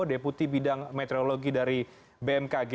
deputi bidang meteorologi dari bmkg